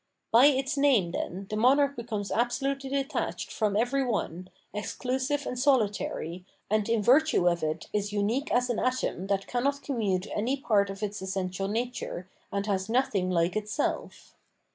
By its name, then, the monarch becomes absolutely detached from every one, exclrxsive and solitary, and in virtue of it is unique as an atom that cannot co mmu te any part of its essential nature, and has nothing like itself.